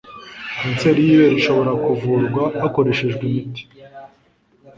Kanseri y'ibere ishobora kuvurwa hakoreshejwe imiti